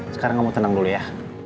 sekarang kamu tenang dulu ya